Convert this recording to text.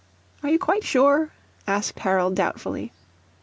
"Are you quite sure?" asked Harold doubtfully.